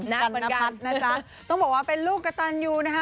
หน้าเหมือนกันนะจ๊ะต้องบอกว่าเป็นลูกกระตันอยู่นะคะ